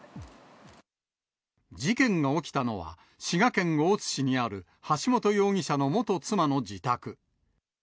事件が起きたのは、滋賀県大津市にある橋本容疑者の元妻の自宅。